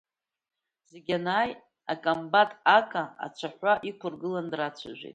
Зегьы анааи, акомбат Ака ацәаҳәа иқәыргылан драцәажәеит.